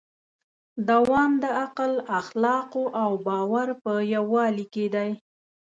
دوام د عقل، اخلاقو او باور په یووالي کې دی.